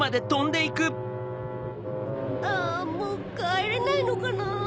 あもうかえれないのかな？